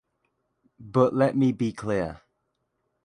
But let me be clear: